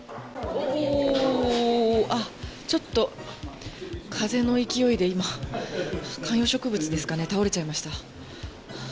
あっ、ちょっと風の勢いで今、観葉植物ですかね、倒れちゃいました。